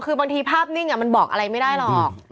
คือบางทีภาพนิ่งมันบอกอะไรไม่ได้หรอก